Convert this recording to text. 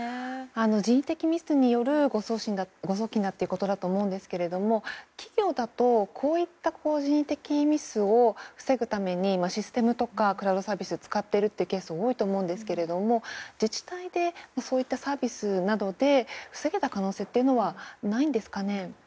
人為的にミスによる誤送金ということだと思うんですが企業だとこういった人的ミスを防ぐためにシステムとかクラウドサービスを使っているケースも多いと思うんですが自治体でそういったサービスなどで防げた可能性はないんですかね。